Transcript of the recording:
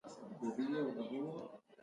مړه ته د زړه له کومې د مغفرت دعا وکړه